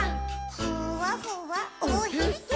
「ふわふわおへそ」